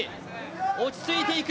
落ち着いて行く。